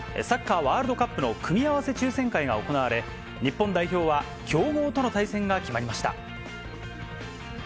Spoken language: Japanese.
サッカーワールドカップの組み合わせ抽せん会が行われ、日本代表は強豪との対戦が決まりました。